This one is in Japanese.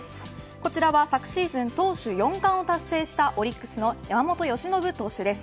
こちらは昨シーズン投手４冠を達成したオリックスの山本由伸投手です。